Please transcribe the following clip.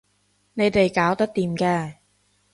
你哋搞得掂㗎